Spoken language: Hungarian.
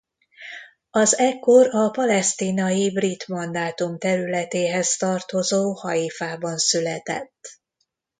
Az ekkor a Palesztinai Brit Mandátum területéhez tartozó Haifában született.